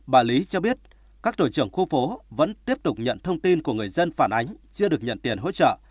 bà lý cho biết các tổ trưởng khu phố vẫn tiếp tục nhận thông tin của người dân phản ánh chưa được nhận tiền hỗ trợ